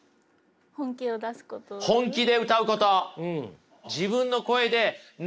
本気で歌うこと。